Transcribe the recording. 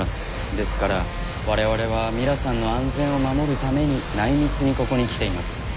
ですから我々はミラさんの安全を守るために内密にここに来ています。